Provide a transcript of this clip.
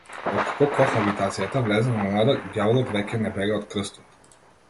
Откако кохабитацијата влезе во мода, ѓаволот веќе не бега од крстот.